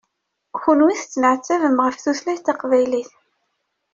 Kunwi tettneɛtabem ɣef tutlayt taqbaylit.